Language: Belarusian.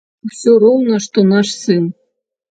Усё роўна што наш сын.